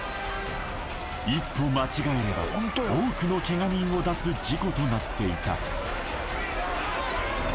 一歩間違えれば多くのケガ人を出す事故となっていた